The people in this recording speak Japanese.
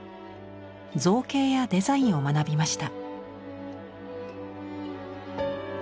造形やデザインを学びました。